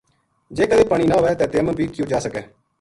جے کدے پانی نہ ہووے تے تیمم بھی کیو جاسکے۔